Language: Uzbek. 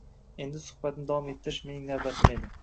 Endi suhbatni davom ettirish mening navbatim edi